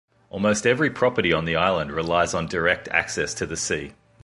Almost every property on the Island relies on direct access to the sea.